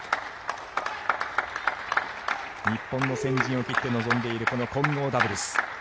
日本の先陣を切って臨んでいるこの混合ダブルス。